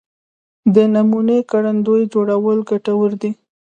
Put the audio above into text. د نمونوي کروندو جوړول ګټور دي